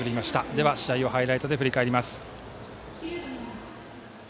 では、試合をハイライトで振り返ります。